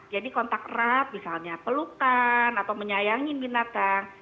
jadi kontak rat misalnya pelukan atau menyayangi binatang